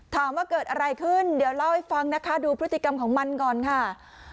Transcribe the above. ถามว่าเกิดอะไรขึ้นเดี๋ยวเล่าให้ฟังนะคะดูพฤติกรรมของมันก่อนค่ะ